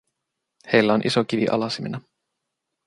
Heillä on iso kivi alasimena.